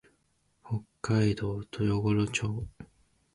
北海道豊頃町